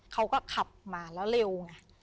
เขาก็ขับมาแล้วเร็วไง